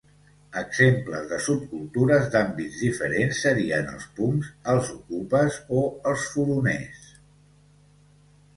Exemples de subcultures d'àmbits diferents serien els punks, els okupes o els furoners.